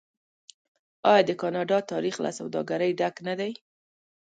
آیا د کاناډا تاریخ له سوداګرۍ ډک نه دی؟